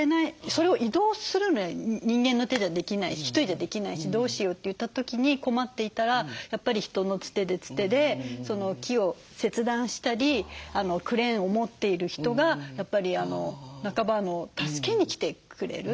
それを移動するのは人間の手じゃできないし一人じゃできないしどうしようといった時に困っていたらやっぱり人のつてでつてでその木を切断したりクレーンを持っている人がやっぱりなかば助けに来てくれる。